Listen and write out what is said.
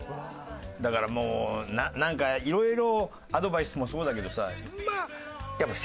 だからもうなんか色々アドバイスもそうだけどさ。